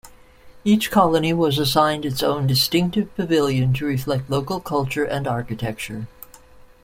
Each colony was assigned its own distinctive pavilion to reflect local culture and architecture.